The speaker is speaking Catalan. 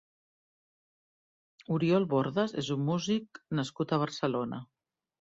Oriol Bordas és un músic nascut a Barcelona.